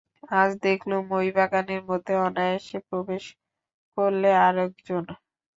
আজ দেখলুম ঐ বাগানের মধ্যে অনায়াসে প্রবেশ করলে আর-একজন।